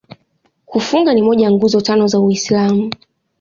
Kufunga ni moja ya Nguzo Tano za Uislamu.